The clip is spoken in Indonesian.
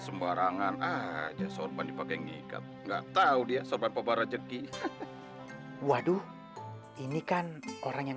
sembarangan aja sorban dipakai ngikat enggak tahu dia sorban papar rezeki waduh ini kan orang yang